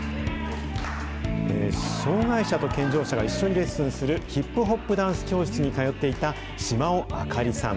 障害者と健常者が一緒にレッスンする、ヒップホップダンス教室に通っていた嶋尾朱織さん。